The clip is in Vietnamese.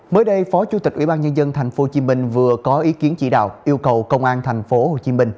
mới đây phó chủ tịch ubnd tp hcm vừa có ý kiến chỉ đạo yêu cầu công an tp hcm